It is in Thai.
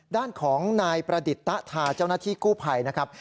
ด้านของนายประดิษฐตะทาเจ้าหน้าที่กู้ภัยนะครับ